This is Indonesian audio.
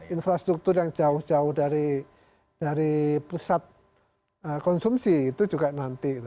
infrastruktur yang jauh jauh dari pusat konsumsi itu juga nanti